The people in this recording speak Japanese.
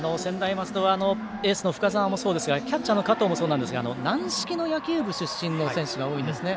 松戸はエースの深沢もそうですがキャッチャーの加藤もそうなんですが軟式の野球部出身の選手が多いんですね。